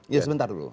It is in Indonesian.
iya sebentar dulu